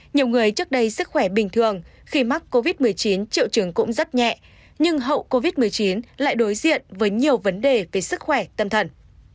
nhiều người trước đây sức khỏe bình thường khi mắc covid một mươi chín triệu trường cũng rất nhẹ nhưng hậu covid một mươi chín lại đối diện với nhiều vấn đề về sức khỏe tâm thần